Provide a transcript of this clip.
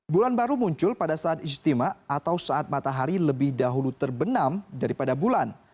bulan baru muncul pada saat ijtima atau saat matahari lebih dahulu terbenam daripada bulan